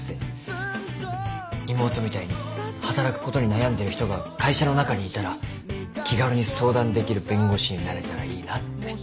妹みたいに働くことに悩んでる人が会社の中にいたら気軽に相談できる弁護士になれたらいいなって。